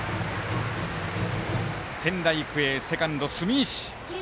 仙台育英、セカンド住石！